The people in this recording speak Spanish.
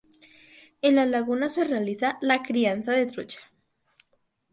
En la laguna se realiza la crianza de trucha.